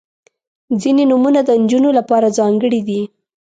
• ځینې نومونه د نجونو لپاره ځانګړي دي.